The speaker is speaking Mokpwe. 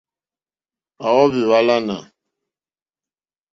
À óhwì hwálánà.